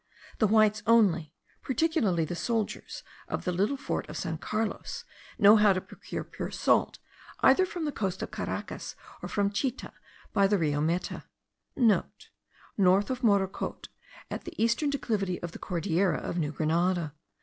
The whites only, particularly the soldiers of the little fort of San Carlos, know how to procure pure salt, either from the coast of Caracas, or from Chita* by the Rio Meta. (* North of Morocote, at the eastern declivity of the Cordillera of New Grenada.